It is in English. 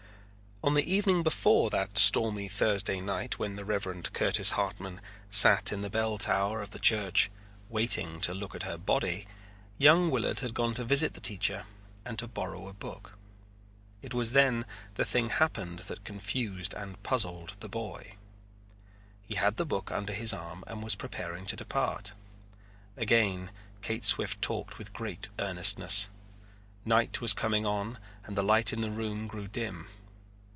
On the evening before that stormy Thursday night when the Reverend Curtis Hartman sat in the bell tower of the church waiting to look at her body, young Willard had gone to visit the teacher and to borrow a book. It was then the thing happened that confused and puzzled the boy. He had the book under his arm and was preparing to depart. Again Kate Swift talked with great earnestness. Night was coming on and the light in the room grew dim.